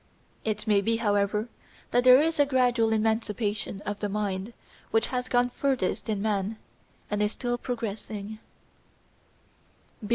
It may be, however, that there is a gradual emancipation of the mind which has gone furthest in Man and is still progressing.